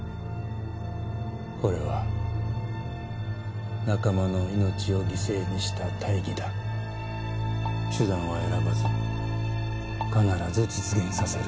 これは仲間の命を犠牲にした手段は選ばず必ず実現させる。